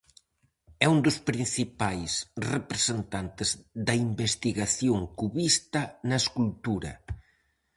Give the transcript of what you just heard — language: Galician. É un dos principais representantes da investigación cubista na escultura.